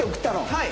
はい。